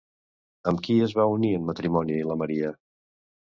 Amb qui es va unir en matrimoni la Maria?